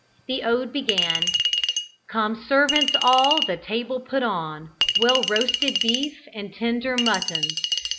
The ode began, "Come servants all, the table put on Well roasted beef and tender mutton.